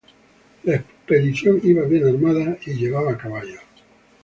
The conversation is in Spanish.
La expedición iba bien armada y llevaba caballos.